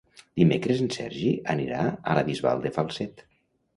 Dimecres en Sergi anirà a la Bisbal de Falset.